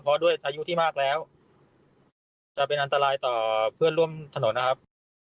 เพราะด้วยอายุที่มากแล้วจะเป็นอันตรายต่อเพื่อนร่วมถนนนะครับ